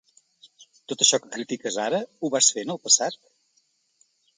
Tot això que critiques ara, ho vas fer en el passat?